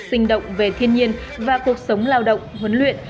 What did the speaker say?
sinh động về thiên nhiên và cuộc sống lao động huấn luyện